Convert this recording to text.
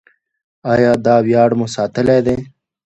آیا دا ویاړ مو ساتلی دی؟